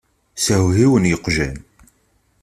Shewhiwen yeqjan.